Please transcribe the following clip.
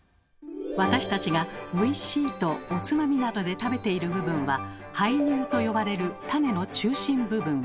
私たちが「おいしい」とおつまみなどで食べている部分は「胚乳」と呼ばれる種の中心部分。